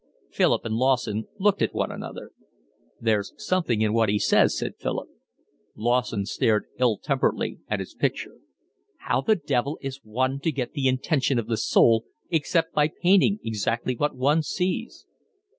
Philip and Lawson looked at one another. "There's something in what he says," said Philip. Lawson stared ill temperedly at his picture. "How the devil is one to get the intention of the soul except by painting exactly what one sees?"